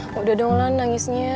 sudah dong mulan